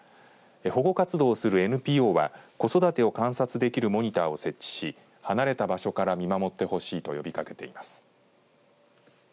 保護活動をするＮＰＯは子育てを観察できるモニターを設置し離れた場所から見守ってほしいと呼びかけています。